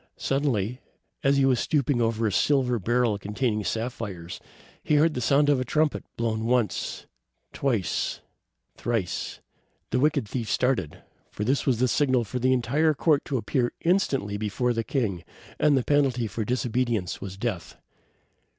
Suddenly, as he was stooping over a silver barrel containing sapphires, he heard the sound of a trumpet, blown once, twice, thrice. The wicked thief started, for it was the signal for the entire court to appear instantly before the king, and the penalty of disobedience was death.